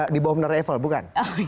di bawah menara eiffel bukan